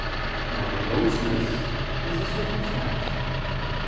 Now moroseness is a circumstance.